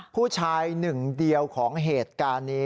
ผู้ชายหนึ่งเดียวของเหตุการณ์นี้